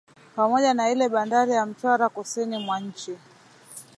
Pamoja na ile bandari ya Mtwara kusini mwa nchi